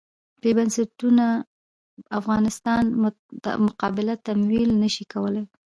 بې بنسټونو افغانستان مقابله تمویل نه شي کولای.